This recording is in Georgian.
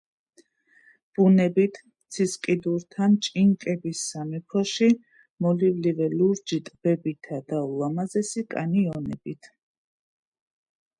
ბუნებით, ცისკიდურთან, ჭინკების სამეფოში მოლივლივე ლურჯი ტბებითა თუ ულამაზესი კანიონებით.